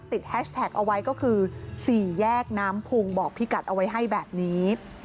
แฮชแท็กเอาไว้ก็คือ๔แยกน้ำพุงบอกพี่กัดเอาไว้ให้แบบนี้